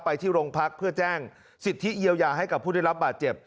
ไปที่โรงพักเพื่อแจ้งสิทธิเยียวยาให้กับผู้ได้รับบาดเจ็บ